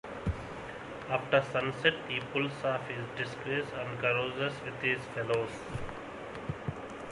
After sunset he pulls off his disguise and carouses with his fellows.